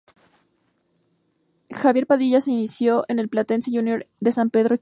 Javier Padilla se inició en el Platense Junior de San Pedro Sula.